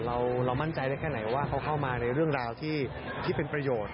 เรามั่นใจได้แค่ไหนว่าเขาเข้ามาในเรื่องราวที่เป็นประโยชน์